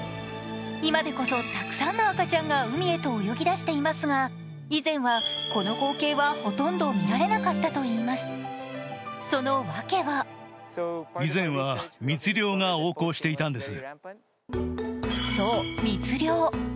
今でこそたくさんの赤ちゃんが海へと泳ぎ出していますがほとんど見られなかったといいます、その訳はそう、密猟。